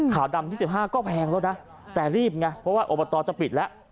ดำ๒๕ก็แพงแล้วนะแต่รีบไงเพราะว่าอบตจะปิดแล้ว